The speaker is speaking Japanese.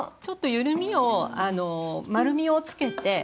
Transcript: ちょっと緩みを丸みをつけて。